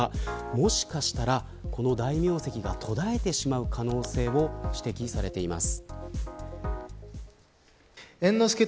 もしかしたら、この大名跡が途絶えてしまう可能性が指摘されています。